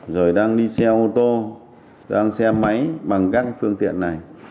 rồi đang đi xe ô tô đang xe máy bằng các phương tiện này